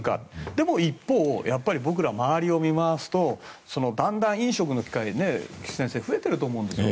でも一方僕らは周りを見渡すとだんだん飲食の機会が増えていると思うんですよ。